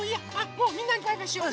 もうみんなにバイバイしよう！